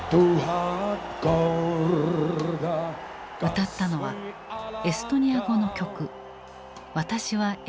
歌ったのはエストニア語の曲